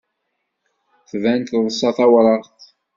Tban teḍsa tawraɣt.